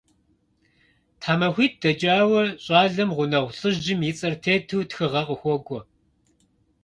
ТхьэмахуитӀ дэкӀауэ щӀалэм гъунэгъу лӀыжьым и цӀэр тету тхыгъэ къыхуокӀуэ.